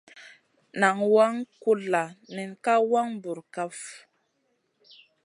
Nan waŋ kulla nen ka wang bura kaf.